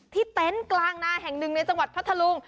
เต็นต์กลางนาแห่งหนึ่งในจังหวัดพัทธลุง